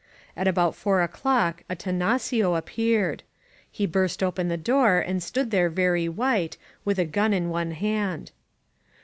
At about four o'clock Atanacio appeared. He burst open the door and stood there very white, with a gun in one hand.